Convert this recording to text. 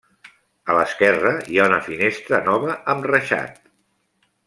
A l'esquerra hi ha una finestra nova amb reixat.